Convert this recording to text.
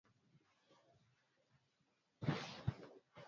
Niliibiwa juzi